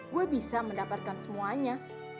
gue bisa mendapatkan semuanya